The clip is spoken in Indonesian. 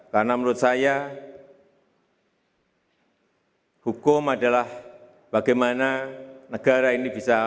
karena menurut saya hukum adalah bagaimana negara ini bisa